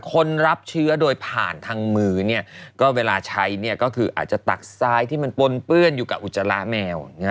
คนรับเชื้อโดยผ่านทางมือเนี่ยก็เวลาใช้ก็คืออาจจะตักซ้ายที่มันปนเปื้อนอยู่กับอุจจาระแมว